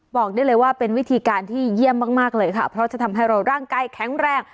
บอกได้เลยว่าเป็นวิธีการที่เยี่ยมมากเลยค่ะเพราะจะทำให้เราร่างกายแข็งแรง